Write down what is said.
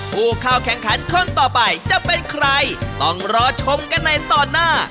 ผู้เข้าแข่งขันคนต่อไปจะเป็นใครต้องรอชมกันในตอนหน้า